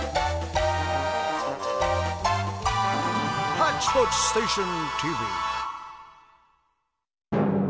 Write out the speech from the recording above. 「ハッチポッチステーションＴＶ」。